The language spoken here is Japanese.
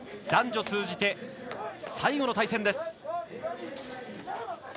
男女通じて最後の対戦です。